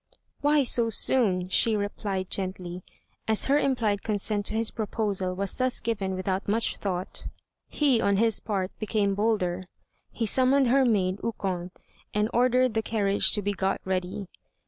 "Why so soon?" she replied, gently. As her implied consent to his proposal was thus given without much thought, he, on his part, became bolder. He summoned her maid, Ukon, and ordered the carriage to be got ready.